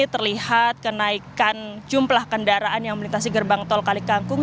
terlihat kenaikan jumlah kendaraan yang melintasi gerbang tol kalikangkung